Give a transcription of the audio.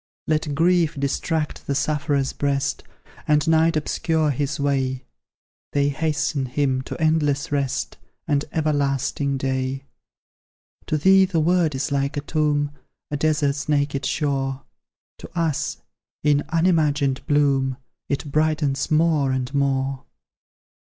"Let grief distract the sufferer's breast, And night obscure his way; They hasten him to endless rest, And everlasting day. "To thee the world is like a tomb, A desert's naked shore; To us, in unimagined bloom, It brightens more and more!